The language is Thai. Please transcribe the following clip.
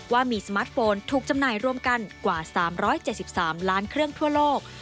ว่ามีสมาร์ทโฟนถูกจำหน่ายรวมกันกว่า๓๗๓ล้านเครื่องทั่วโลก